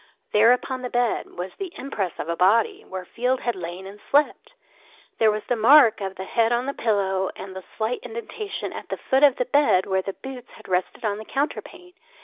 There, upon the bed, was the impress of a body, where Field had lain and slept. There was the mark of the head on the pillow, and the slight indentation at the foot of the bed where the boots had rested on the counterpane.